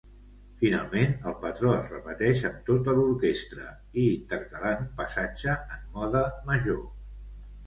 Finalment, el patró es repeteix amb tota l'orquestra, i intercalant un passatge en mode major.